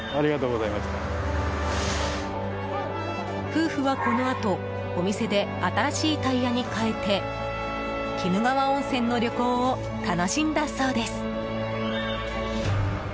夫婦は、このあとお店で新しいタイヤに替えて鬼怒川温泉の旅行を楽しんだそうです。